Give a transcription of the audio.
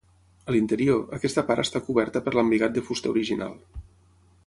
A l'interior, aquesta part està coberta per l'embigat de fusta original.